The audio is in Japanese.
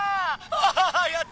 アハハやった！